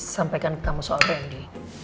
sampaikan ke kamu soal tni